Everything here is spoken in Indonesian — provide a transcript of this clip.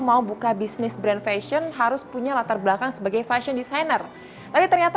mau buka bisnis brand fashion harus punya latar belakang sebagai fashion designer tapi ternyata